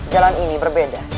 jalan ini berbeda